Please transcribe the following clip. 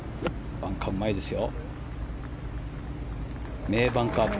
バンカーうまいですよ。